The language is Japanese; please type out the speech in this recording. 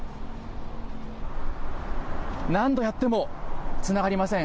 何度やってもつながりません。